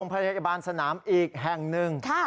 พยาบาลสนามอีกแห่งหนึ่ง